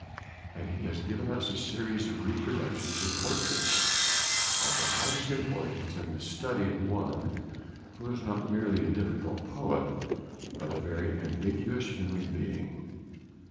And he has given us a series of reproductions of portraits, of the highest importance in the study of one who is not merely a difficult poet, but a very ambiguous human being.